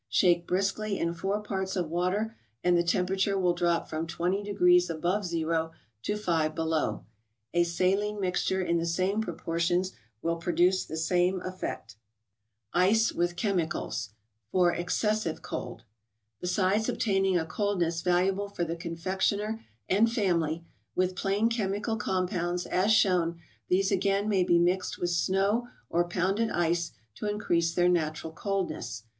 Shake briskly in 4 parts of water, and the temperature will drop from 20 degrees above zero, to 5 below. A saline mixture in the same proportions will produce the same effect. THE BOOK OF ICES. 76 9Jce 'tottl} €l)cmtcal& for cErcc^Sst'bc cola. Besides obtaining a coldness valuable for the confectioner and family, with plain chemical compounds, as shown, these again may be mixed with snow, or pounded ice, to increase their natural cold¬ ness.